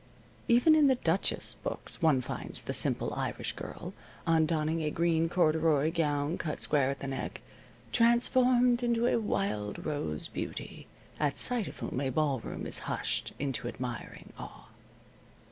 Even in the "Duchess" books one finds the simple Irish girl, on donning a green corduroy gown cut square at the neck, transformed into a wild rose beauty, at sight of whom a ball room is hushed into admiring awe.